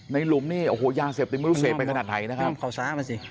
ในลมนี้โอ้โหยาเสพที่ไม่รู้เสร็จไปขนาดไหนนะครับ